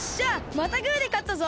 またグーでかったぞ！